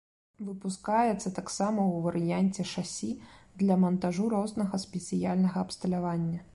Выпускаецца таксама ў варыянце шасі для мантажу рознага спецыяльнага абсталявання.